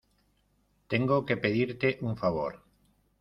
tengo que pedirte un favor.